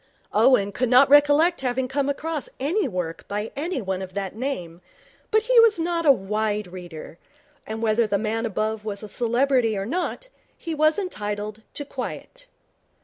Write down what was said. Owen could not recollect having come across any work by anyone of that name; but he was not a wide reader; and, whether the man above was a celebrity or not, he was entitled to quiet.